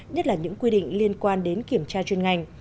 nhất là những quy định liên quan đến kiểm tra chuyên ngành